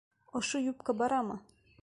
Ошо юбка барамы?